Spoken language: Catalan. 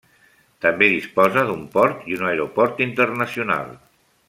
També disposa d'un port i un aeroport internacional.